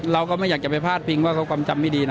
เราก็ไม่อยากจะไปพาดพิงว่าเขากำจำไม่ดีนะ